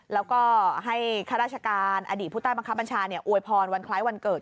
แล้วก็ให้ข้าราชการอดีตผู้ใต้บังคับบัญชาอวยพรวันคล้ายวันเกิด